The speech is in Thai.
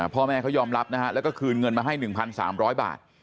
พ่อแม่เขายอมรับนะฮะแล้วก็คืนเงินมาให้๑๓๐๐บาท